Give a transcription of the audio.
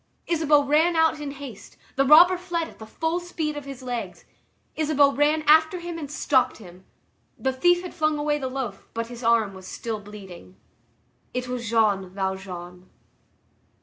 Isabeau ran out in haste; the robber fled at the full speed of his legs. Isabeau ran after him and stopped him. The thief had flung away the loaf, but his arm was still bleeding. It was Jean Valjean.